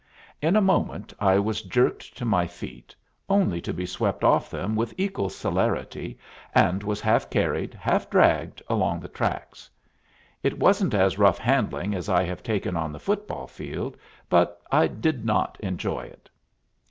In a moment I was jerked to my feet, only to be swept off them with equal celerity, and was half carried, half dragged, along the tracks. It wasn't as rough handling as I have taken on the football field, but I didn't enjoy it.